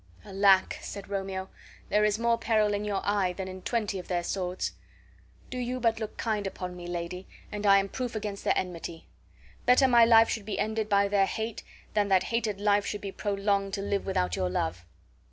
"Alack!" said Romeo, "there is more peril in your eye than in twenty of their swords. Do you but look kind upon me, lady, and I am proof against their enmity. Better my life should be ended by their hate than that hated life should be prolonged to live without your love."